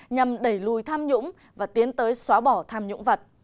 nhằm đẩy lùi tham nhũng và tiến tới xóa bỏ tham nhũng vật